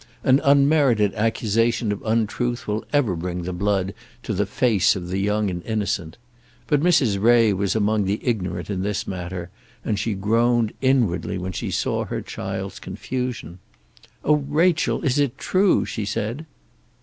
An unmerited accusation of untruth will ever bring the blood to the face of the young and innocent. But Mrs. Ray was among the ignorant in this matter, and she groaned inwardly when she saw her child's confusion. "Oh, Rachel, is it true?" she said.